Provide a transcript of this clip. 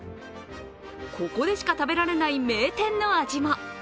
ここでしか食べられない名店の味も。